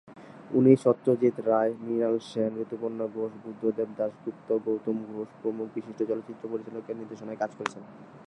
উনি সত্যজিৎ রায়, মৃণাল সেন, ঋতুপর্ণ ঘোষ, বুদ্ধদেব দাশগুপ্ত, গৌতম ঘোষ প্রমুখ বিশিষ্ট চলচ্চিত্র পরিচালকের নির্দেশনায় কাজ করেছেন।